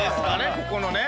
ここのね。